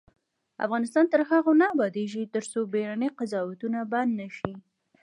افغانستان تر هغو نه ابادیږي، ترڅو بیړني قضاوتونه بند نشي.